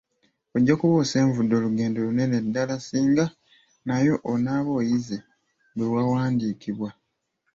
Ojja kuba osenvudde olugendo lunene ddala singa nayo onaaba oyize bw’ewandiikibwa.